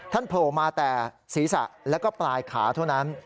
โผล่มาแต่ศีรษะแล้วก็ปลายขาเท่านั้น